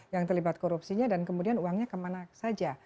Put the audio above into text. yang terlibat korupsinya dan kemudian uangnya kemana saja